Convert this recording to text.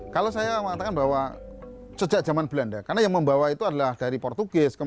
kalau saya mengatakan bahwa sejak zaman belanda karena yang membawa itu adalah dari portugis